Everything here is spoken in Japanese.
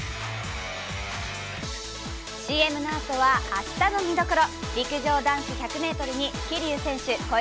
ＣＭのあとは明日の見どころ。